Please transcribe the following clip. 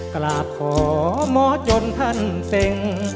กลากขอมอดยนต์ท่านเต้ง